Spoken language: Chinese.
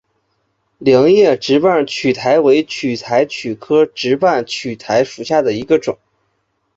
菱叶直瓣苣苔为苦苣苔科直瓣苣苔属下的一个种。